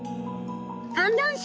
観覧車